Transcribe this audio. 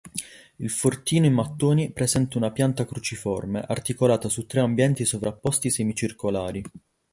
Il fortino in mattoni presenta una pianta cruciforme, articolata su tre ambienti sovrapposti semicircolari.